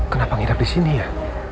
kenapa ngidap disini ya